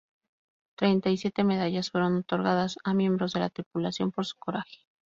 Treinta y siete medallas fueron otorgadas a miembros de la tripulación por su coraje.